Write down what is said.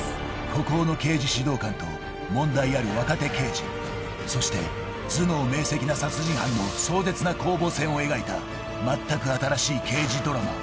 ［孤高の刑事指導官と問題ある若手刑事そして頭脳明晰な殺人犯の壮絶な攻防戦を描いたまったく新しい刑事ドラマ］